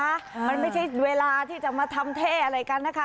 มันไม่ใช่เวลาที่จะมาทำเท่อะไรกันนะคะ